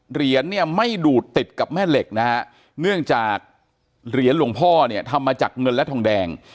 เหรียญเนี่ยไม่ดูดติดกับแม่เหล็กนะฮะเนื่องจากเหรียญหลวงพ่อเนี่ยทำมาจากเงินและทองแดง